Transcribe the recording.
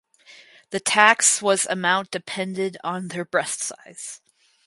The tax was amount depended on their breast size.